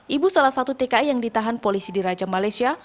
ibu salah satu tki yang ditahan polisi di raja malaysia